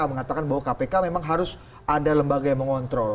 mengatakan bahwa kpk memang harus ada lembaga yang mengontrol